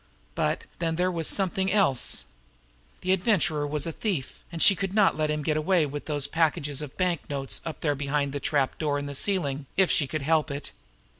But, then, there was something else. The Adventurer was a thief, and she could not let him get away with those packages of banknotes up there behind the trap door in the ceiling, if she could help it.